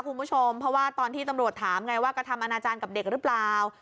คุณผู้ชมเพราะว่าตอนที่ตำรวจถามไงว่ากระทำอนาจารย์กับเด็กหรือเปล่า